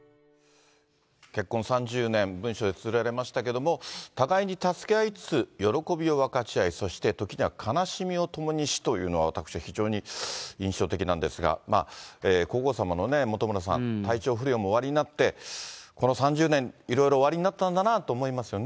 結婚３０年、文書でつづられましたけれども、互いに助け合いつつ、喜びを分かち合い、そして時には悲しみを共にしというのが、私は非常に印象的なんですが、皇后さまの、本村さん、体調不良もおありになって、この３０年、いろいろおありになったんだなと思いますよね。